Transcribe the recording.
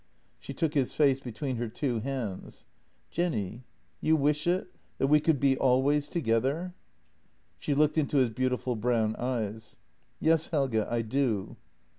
She took his face between her two hands. " Jenny — you wish it — that we could be always together? " She looked into his beautiful brown eyes: " Yes, Helge; I do."